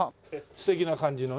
素敵な感じのね。